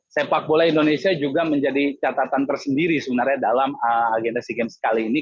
sepak bola indonesia juga menjadi catatan tersendiri sebenarnya dalam agenda sea games kali ini